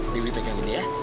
dewi pegang ini ya